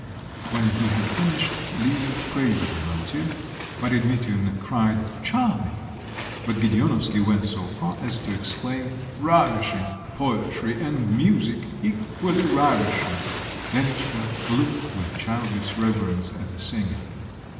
When he had finished, Lisa praised the motive, Marya Dmitrievna cried, "Charming!" but Gedeonovsky went so far as to exclaim, "Ravishing poetry, and music equally ravishing!" Lenotchka looked with childish reverence at the singer.